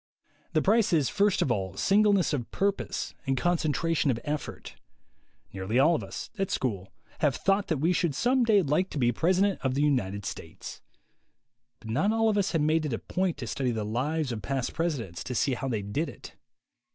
The price is first of all singleness of purpose and concentration of effort. Nearly all of us, at school, have thought that we should some day like to be President of the United States. But not all of us have made it a point to study the lives of past presidents to see how they did it.